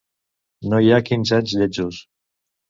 No hi ha quinze anys lletjos.